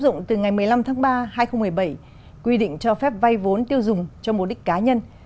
dụng từ ngày một mươi năm tháng ba hai nghìn một mươi bảy quy định cho phép vay vốn tiêu dùng cho mục đích cá nhân